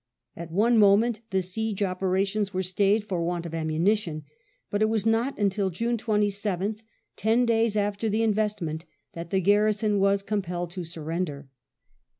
At one moment the siege operations were stayed for want of ammunition, and it was not until June 27th, ten days after the in vestment, that the garrison was compelled to surrender.